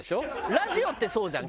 ラジオってそうじゃん。